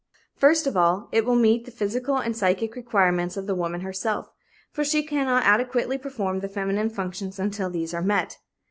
First of all, it will meet the physical and psychic requirements of the woman herself, for she cannot adequately perform the feminine functions until these are met.